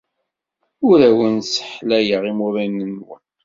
Ur awen-sseḥlayeɣ imuḍinen-nwen.